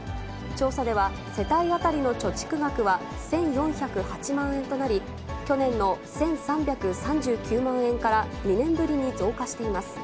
調査では、世帯当たりの貯蓄額は、１４０８万円となり、去年の１３３９万円から２年ぶりに増加しています。